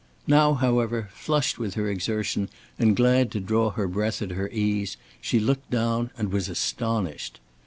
Now, however, flushed with her exertion and glad to draw her breath at her ease, she looked down and was astonished.